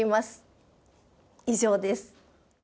以上です。